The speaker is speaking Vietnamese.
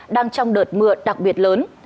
đang trong đợt mưa đặc biệt lớn